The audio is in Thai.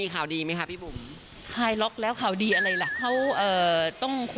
เขาไม่มีสนอะไรพวกนี้หรอก